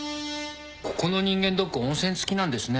ここの人間ドック温泉付きなんですね。